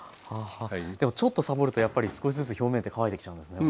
ははあでもちょっとサボるとやっぱり少しずつ表面って乾いてきちゃうんですね。